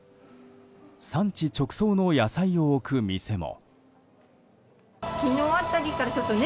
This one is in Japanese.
産地直送の野菜を置く店も。